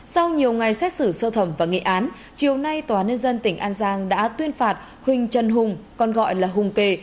sau nhiều ngày xét xử sơ thẩm và nghị án chiều nay tòa nhân dân tỉnh an giang đã tuyên phạt huỳnh trần hùng còn gọi là hùng kề